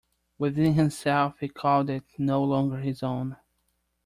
Within himself he called it no longer his own.